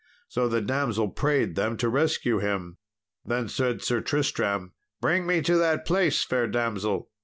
So the damsel prayed them to rescue him. Then said Sir Tristram, "Bring me to that place, fair damsel."